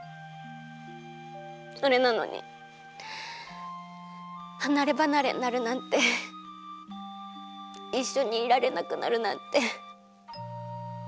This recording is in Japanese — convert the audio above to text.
それなのにはなればなれになるなんていっしょにいられなくなるなんて。